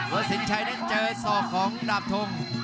วัสินชัยได้เจอสอบของดาบทง